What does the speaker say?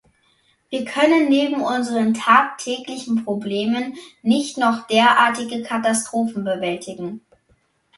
Wir können neben unseren tagtäglichen Problemen nicht noch derartige Katastrophen bewältigen.